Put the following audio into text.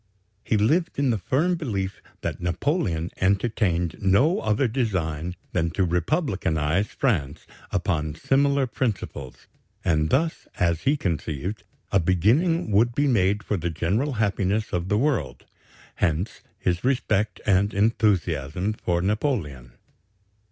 He lived in the firm belief that Napoleon entertained no other design than to republicanize France upon similar principles, and thus, as he conceived, a beginning would be made for the general happiness of the world. Hence his respect and enthusiasm for Napoleon.